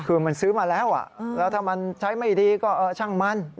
คือมันซื้อมาแล้วแล้วถ้ามันใช้ไม่ดีก็ช่างมัน